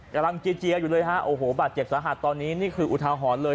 กำลังเจียเจียอยู่เลยฮะโอ้โหบาดเจ็บสาหัสตอนนี้นี่คืออุทาหรณ์เลย